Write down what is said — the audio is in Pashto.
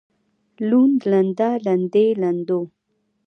لوند لنده لندې لندو